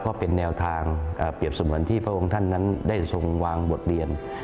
ก็เป็นแนวทางเปรียบเสมือนที่พระองค์ท่านนั้นได้ทรงวางบทเรียน